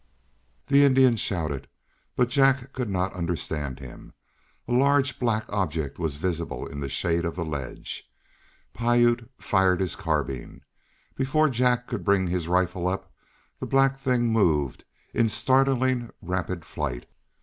The Indian shouted, but Jack could not understand him. A large black object was visible in the shade of the ledge. Piute fired his carbine. Before Jack could bring his rifle up the black thing moved into startlingly rapid flight.